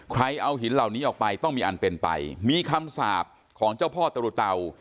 เอาหินเหล่านี้ออกไปต้องมีอันเป็นไปมีคำสาปของเจ้าพ่อตรุเตา